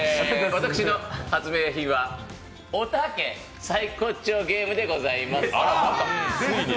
私の発明品はおたけサイコッチョーゲームでございます。